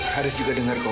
haris juga dengar bu